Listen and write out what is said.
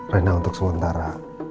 rina untuk sementara